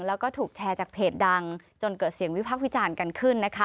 แล้วก็ถูกแชร์จากเพจดังจนเกิดเสียงวิพักษ์วิจารณ์กันขึ้นนะคะ